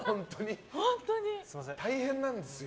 大変なんですよ。